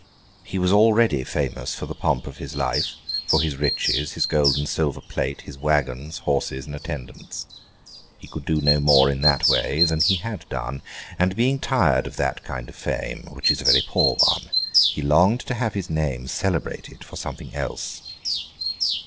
He was already famous for the pomp of his life, for his riches, his gold and silver plate, his waggons, horses, and attendants. He could do no more in that way than he had done; and being tired of that kind of fame (which is a very poor one), he longed to have his name celebrated for something else.